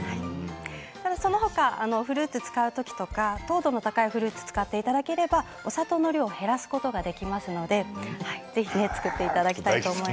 その他フルーツを使う時とか糖度の高いフルーツを使っていただければ、お砂糖の量を減らすことができますのでぜひ造っていただきたいと思い